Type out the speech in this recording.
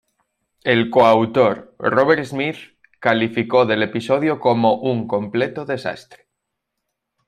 El coautor Robert Smith calificó del episodio como "un completo desastre".